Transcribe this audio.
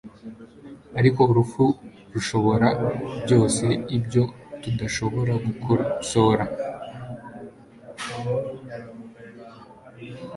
Ariko urupfu rushobora byose ibyo tudashobora gukosora